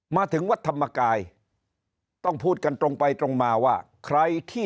มาถึงวัดธรรมกายต้องพูดกันตรงไปตรงมาว่าใครที่